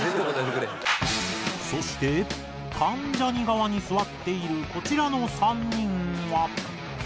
そして関ジャニ側に座っているこちらの３人は。